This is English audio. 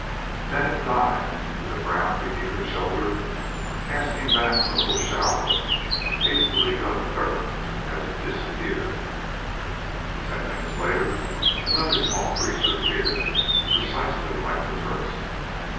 Then it dived into the ground beneath her shoulder, casting back a little shower of hastily dug dirt as it disappeared. Ten minutes later, another small creature appeared, precisely like the first.